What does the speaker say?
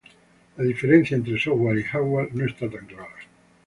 La diferencia entre software y hardware no está tan clara